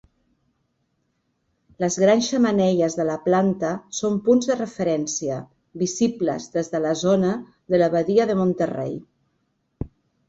Les grans xemeneies de la planta són punts de referència, visibles des de la zona de la badia de Monterey.